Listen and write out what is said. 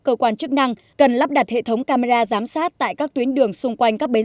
cơ quan chức năng cần lắp đặt hệ thống camera giám sát tại các tuyến đường xung quanh các bến